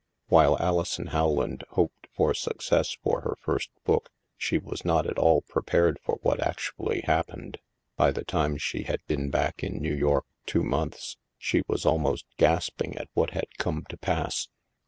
While Alison Howland hoped for success for her first book, she was not at all prepared for what ac tually happened. By the time she had been back in New York two months, she was almost gasping at what had come to pass.